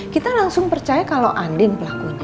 kita langsung percaya kalau andin pelakunya